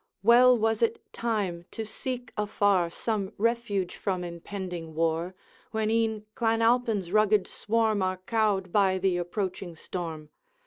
Well was it time to seek afar Some refuge from impending war, When e'en Clan Alpine's rugged swarm Are cowed by the approaching storm.